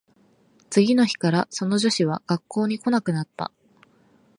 次の日からその女子は学校に来なくなった